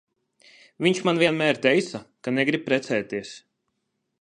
Viņš man vienmēr teica, ka negrib precēties.